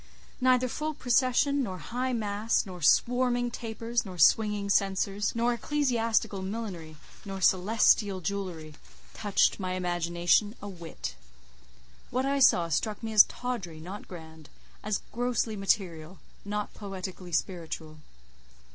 Neither full procession, nor high mass, nor swarming tapers, nor swinging censers, nor ecclesiastical millinery, nor celestial jewellery, touched my imagination a whit. What I saw struck me as tawdry, not grand; as grossly material, not poetically spiritual.